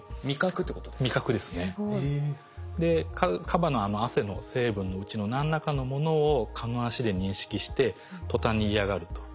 カバのあの汗の成分のうちの何らかのものを蚊の脚で認識してとたんに嫌がると。